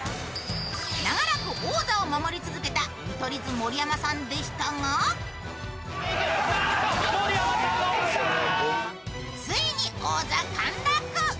長らく王座を守り続けた見取り図・盛山さんでしたがついに、王座陥落。